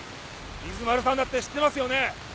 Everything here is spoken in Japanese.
伊豆丸さんだって知ってますよね。